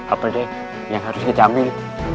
apa dia yang harus kita ambil